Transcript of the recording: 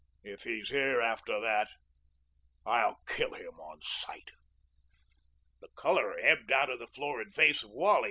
If he's here after that, I'll kill him on sight." The color ebbed out of the florid face of Wally.